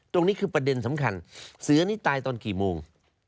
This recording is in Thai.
ตรงนี้คือประเด็นสำคัญเสือนี่ตายตอนกี่โมง